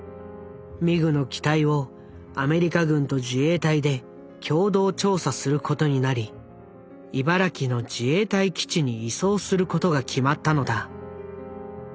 ミグの機体をアメリカ軍と自衛隊で共同調査することになり茨城の自衛隊基地に移送することが決まったのだ。